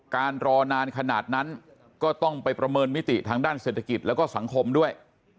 รอนานขนาดนั้นก็ต้องไปประเมินมิติทางด้านเศรษฐกิจแล้วก็สังคมด้วย